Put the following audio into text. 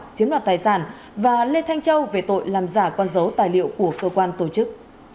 chiếm đoạt tài sản và lê thanh châu về tội làm giả con dấu tài liệu của cơ quan tổ chức